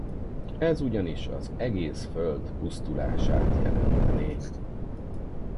Ez ugyanis az egész Föld pusztulását jelentené.